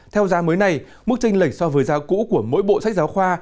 theo giá mới này mức tranh lệch so với giá cũ của mỗi bộ sách giáo khoa